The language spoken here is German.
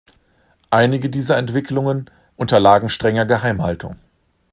Einige dieser Entwicklungen unterlagen strenger Geheimhaltung.